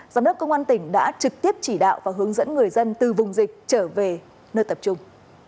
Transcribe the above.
giám đốc công an tỉnh đã trực tiếp chỉ đạo và hướng dẫn người dân từ vùng dịch trở về nơi tập trung